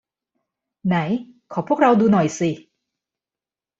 ไหนขอพวกเราดูหน่อยสิ